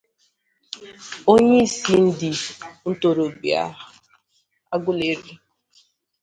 onyeisi ndị ntorobịa Agụleri